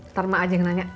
ntar mak aja yang nanya